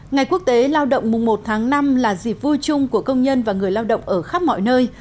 ngày quốc tế lao động mùng một tháng năm là dịp vui chung của công nhân và người lao động ở khắp mọi nơi